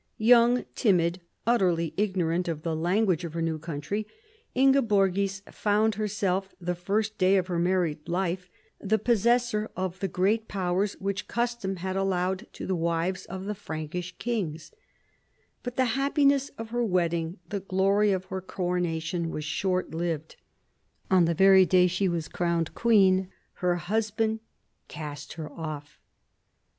Young, timid, utterly ignorant of the language of her new country, Ingeborgis found herself, the first day of her married life, the possessor of the great powers which custom had allowed to the wives of the Frankish kings : but the happiness of her wedding, the glory of her coronation, were short lived. On the very day she was crowned queen, her husband cast her off.